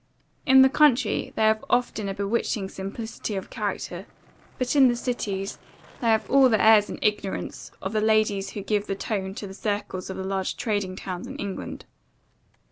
In the country, they have often a bewitching simplicity of character; but, in the cities, they have all the airs and ignorance of the ladies who give the tone to the circles of the large trading towns in England.